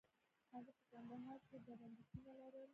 هغه په کندهار کې ډبرلیکونه لرل